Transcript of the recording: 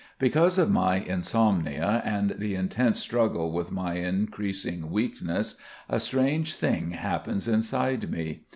Because of my insomnia and the intense struggle with my increasing weakness a strange thing happens inside me.